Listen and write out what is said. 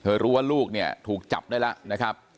รู้ว่าลูกเนี่ยถูกจับได้แล้วนะครับ